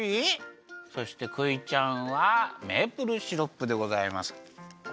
そしてクイちゃんはメープルシロップでございます。